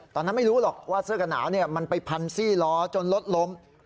ตอนนั้นไม่รู้หรอกว่าเสื้อกระหนาวมันไปพันซี่ล้อจนรถล้ม